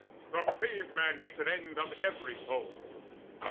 The brave man makes an end of every foe."